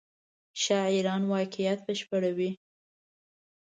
شاعران واقعیت بشپړوي.